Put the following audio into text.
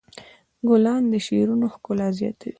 ګلان د شعرونو ښکلا زیاتوي.